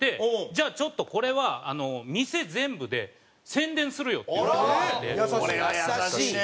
「じゃあちょっとこれは店全部で宣伝するよ」って言ってくださって。